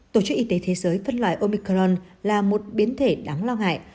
tổ chức y tế thế giới phân loại omicron là một biến thể đáng lo ngại